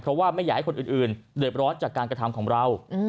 เพราะว่าไม่อยากให้คนอื่นเดือดร้อนจากการกระทำของเรา